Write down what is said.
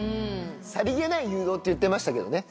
さりげない誘導って言ってましたけどね。